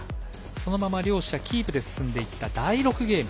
そのまま両者キープで進んでいった第６ゲーム。